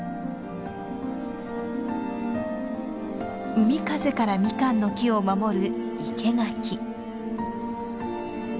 海風からミカンの木を守る